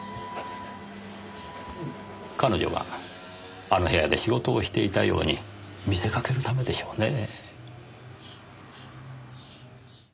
彼女があの部屋で仕事をしていたように見せかけるためでしょうねぇ。